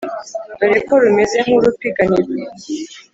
Dore ko rumeze nk`urupiganirwa;